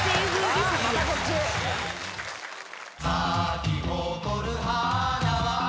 「咲きほこる花は」